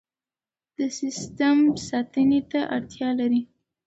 دا سیستم ساتنې ته اړتیا لري.